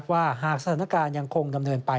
ว่าหากสถานการณ์ยังคงดำเนินไป